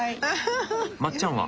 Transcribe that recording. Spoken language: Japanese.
まっちゃんは？